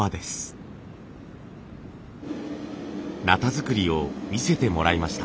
鉈作りを見せてもらいました。